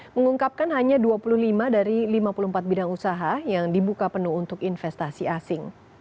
mengungkapkan hanya dua puluh lima dari lima puluh empat bidang usaha yang dibuka penuh untuk investasi asing